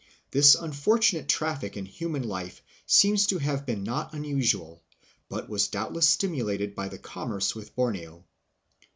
This unfortunate traffic in human life seems to have been not unusual, and was doubtless stimulated by the commerce with Borneo.